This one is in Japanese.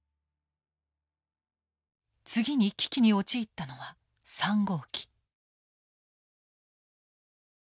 次に危機に陥ったのは３号機。